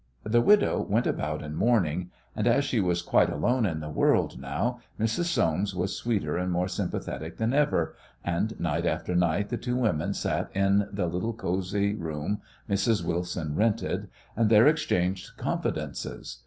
The "widow" went about in mourning, and as she was quite alone in the world now Mrs. Soames was sweeter and more sympathetic than ever, and night after night the two women sat in the cosy little room Mrs. Wilson rented, and there exchanged confidences.